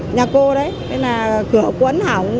nhà cô đấy bên này là cửa quấn hỏng